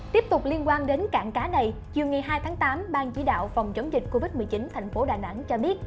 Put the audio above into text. tiếp tục liên quan đến cảng cá này chiều ngày hai tháng tám bang chỉ đạo phòng chống dịch covid một mươi chín thành phố đà nẵng cho biết